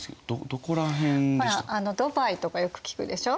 ほらドバイとかよく聞くでしょ？